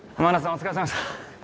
お疲れさまです。